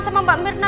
sama mbak mirna